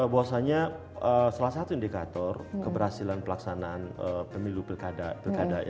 bahwasanya salah satu indikator keberhasilan pelaksanaan pemilu pilkada